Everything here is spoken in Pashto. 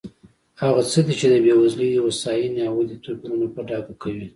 هغه څه دي چې د بېوزلۍ، هوساینې او ودې توپیرونه په ډاګه کوي.